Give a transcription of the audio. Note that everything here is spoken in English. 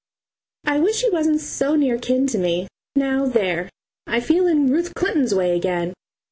I wish he wasn't so near kin to me! Now, there, I feel in Ruth Clinton's way again!